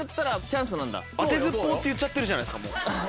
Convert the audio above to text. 当てずっぽうって言っちゃってるじゃないですか。